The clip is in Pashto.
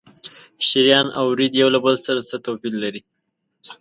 شریان او ورید یو له بل سره څه توپیر لري؟